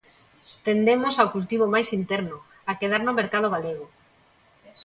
Tendemos ao cultivo máis interno, a quedar no mercado galego.